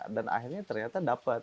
dan akhirnya ternyata dapat